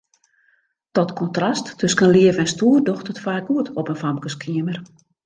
Dat kontrast tusken leaf en stoer docht it faak goed op in famkeskeamer.